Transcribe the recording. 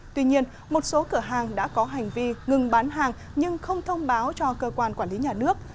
tuy nhiên một số cửa hàng đã có hành vi ngừng bán hàng nhưng không thông báo cho cơ quan quản lý nhà nước